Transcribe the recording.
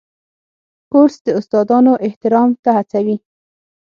کورس د استادانو احترام ته هڅوي.